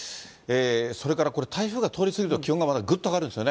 それからこれ、台風が通り過ぎると気温がまたぐっと上がるんですよね。